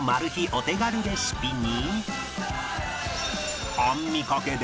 お手軽レシピに